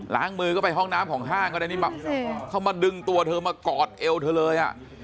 มือก็ไปห้องน้ำของห้างก็ได้นี่เข้ามาดึงตัวเธอมากอดเอวเธอเลยอ่ะ